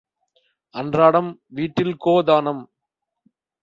அன்றாடம் வீட்டில் கோதானம்.